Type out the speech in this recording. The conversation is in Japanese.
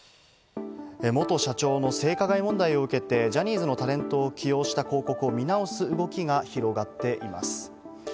元社長の性加害問題を受けて、ジャニーズのタレントを起用した広告を見直す動きが広がっています。